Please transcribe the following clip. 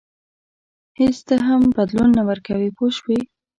هېڅ څه ته هم بدلون نه ورکوي پوه شوې!.